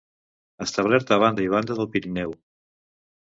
establert a banda i banda del Pirineu